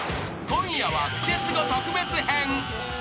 ［今夜は『クセスゴ』特別編］